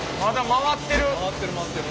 回ってる回ってる。